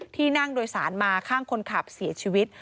ที่นั่งโดยสารมาข้างคนขับเสียชีวิต